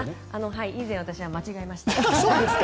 以前、私は間違えました。